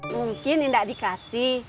mungkin nggak dikasih